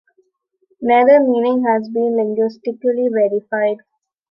Neither meaning has been linguistically verified.